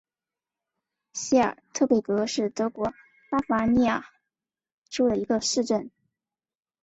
席尔特贝格是德国巴伐利亚州的一个市镇。